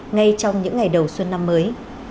ngay trong những ngày đầu xuân năm mới